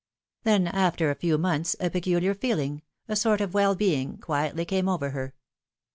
Then, after a few months, a peculiar feeling, a sort of well being, quietly came over her.